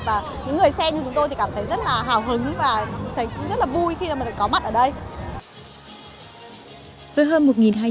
và những người xem như chúng tôi thì cảm thấy rất là hào hứng và thấy cũng rất là vui khi mà mình có mặt ở đây